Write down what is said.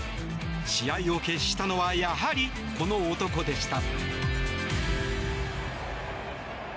試合を決したのはやはりこの男でした。